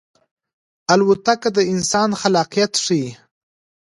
الوتکه د انسان خلاقیت ښيي.